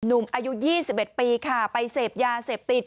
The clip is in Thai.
หนุ่มอายุ๒๑ปีค่ะไปเสพยาเสพติด